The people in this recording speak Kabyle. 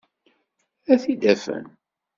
Ad t-id-afen.